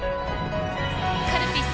カルピス